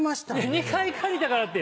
２回借りたからって！